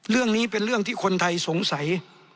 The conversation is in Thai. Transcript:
เรื่องนี้เป็นเรื่องที่คนไทยสงสัย